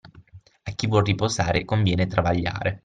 A chi vuol riposare conviene travagliare.